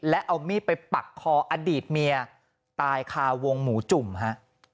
และเอามีดไปปักคออดีตเมียตายคาวงหมูจุ่มฮะ